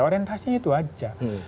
orientasinya itu aja